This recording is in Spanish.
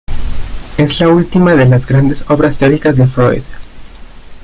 Es la última de las grandes obras teóricas de Freud.